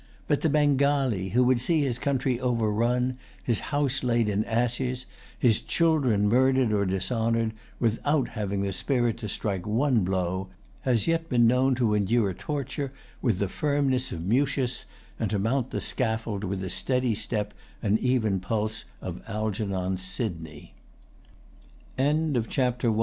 But the Bengalee who would see his country overrun, his house laid in ashes, his children murdered or dishonored, without having the spirit to strike one blow, has yet been known to endure torture with the firmness of Mucius, and to mount the scaffold with the steady step and even pulse of Algernon